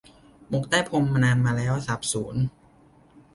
หมกใต้พรมนานมาแล้วสาบสูญ